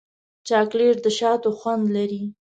چاکلېټ د شاتو خوند لري.